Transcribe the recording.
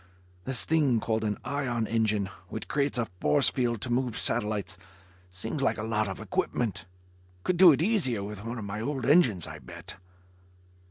This thing called an ion engine, which creates a force field to move satellites, seems like a lot of equipment. Could do it easier with one of my old engines, I bet."